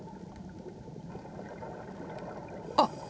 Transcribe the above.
あっ！